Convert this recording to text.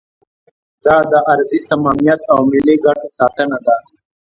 دا د ارضي تمامیت او ملي ګټو ساتنه ده.